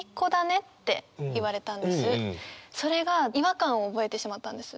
それが違和感を覚えてしまったんです。